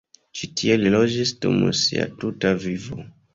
Ĉi tie li loĝis dum sia tuta vivo.